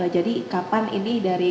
jadi kapan ini dari